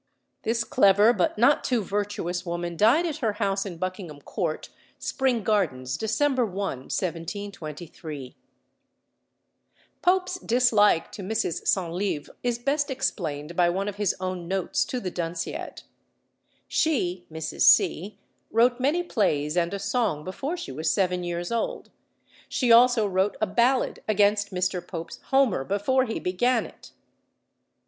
This clever but not too virtuous woman died at her house in Buckingham Court, Spring Gardens, December 1, 1723. Pope's dislike to Mrs. Centlivre is best explained by one of his own notes to the Dunciad: "She (Mrs. C.) wrote many plays and a song before she was seven years old: she also wrote a ballad against Mr. Pope's Homer before he began it."